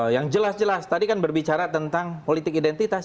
yang jelas jelas tadi kan berbicara tentang politik identitas